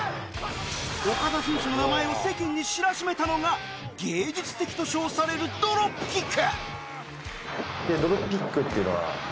オカダ選手の名前を世間に知らしめたのが「芸術的」と称されるドロップキック